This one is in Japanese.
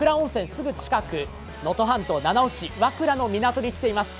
すぐ近く、能登半島七尾市、和倉の港に来ています。